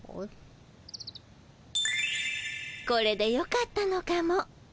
これでよかったのかも。